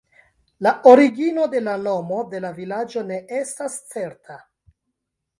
La origino de la nomo de la vilaĝo ne estas certa.